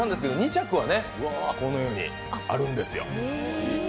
２着は、このようにあるんですよ。